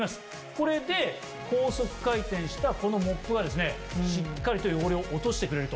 これで高速回転したこのモップがですねしっかりと汚れを落としてくれると。